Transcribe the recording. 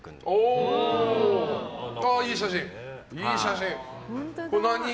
いい写真！